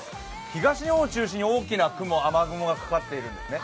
東日本を中心に大きな雲、雨雲がかかっているんですね。